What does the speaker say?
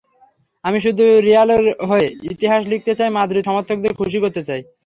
আমি শুধু রিয়ালের হয়ে ইতিহাস লিখতে চাই, মাদ্রিদ সমর্থকদের খুশি করতে চাই।